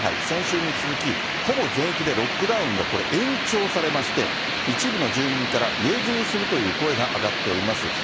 先週に続き、ほぼ全域でロックダウンがこれ、延長されまして、一部の住民から飢え死にするという声が上がっております。